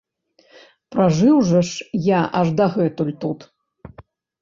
Пражыў жа я аж дагэтуль тут.